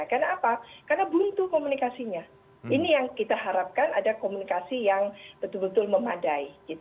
karena apa karena buntu komunikasinya ini yang kita harapkan ada komunikasi yang betul betul memadai gitu